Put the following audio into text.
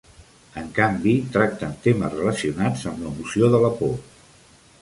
En canvi, tracten temes relacionats amb l'emoció de la por.